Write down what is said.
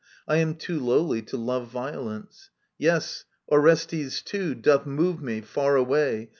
I am too lowly to love violence. Yea, Orestes too doth move me, far away.